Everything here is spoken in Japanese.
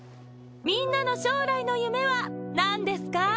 みんなの将来の夢はなんですか？